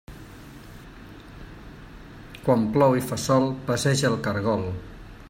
Quan plou i fa sol, passeja el caragol.